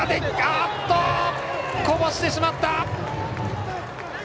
こぼしてしまった！